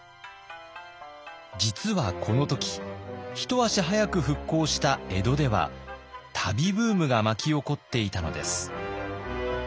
実はこの時一足早く復興した江戸では旅ブームが巻き起こっていたのです。